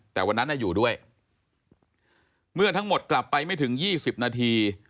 แต่วันนั้นน่ะอยู่ด้วยเมื่อทั้งหมดกลับไปไม่ถึง๒๐นาที